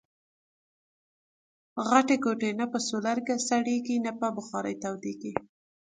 غټي کوټې نه په کولرسړېږي ، نه په بخارۍ تودېږي